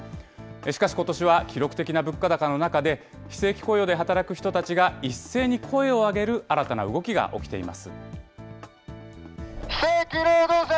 しかしことしは、記録的な物価高の中で、非正規雇用で働く人たちが一斉に声を上げる新たな動きが起きています。